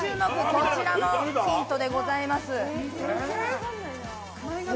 こちらもヒントでございます。